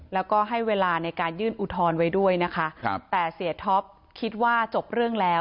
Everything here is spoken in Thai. แล้วก็ให้เวลาในการยื่นอุทธรณ์ไว้ด้วยนะคะครับแต่เสียท็อปคิดว่าจบเรื่องแล้ว